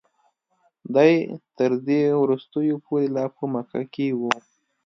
دی تر دې وروستیو پورې لا په مکه کې و.